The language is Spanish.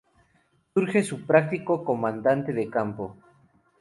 Scourge es un práctico comandante de campo.